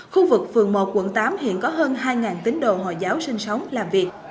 khu vực phường một quận tám hiện có hơn hai tín đồ hồi giáo sinh sống làm việc